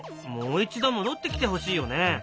もう一度戻ってきてほしいよね。